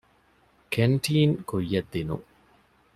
ކެންޓީން ކުއްޔަށްދިނުން